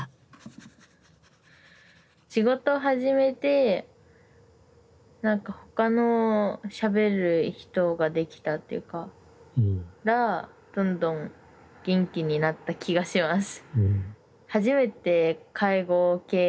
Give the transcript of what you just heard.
仕事始めて何か他のしゃべる人が出来たらどんどん元気になった気がします。